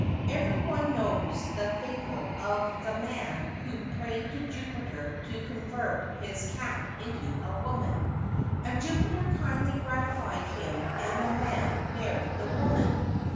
Every one knows the fable of the man who prayed to Jupiter to convert his cat into a woman, and Jupiter kindly gratified him and the man married the woman.